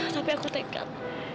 tapi aku tekat